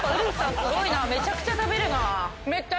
すごいなめちゃくちゃ食べるな。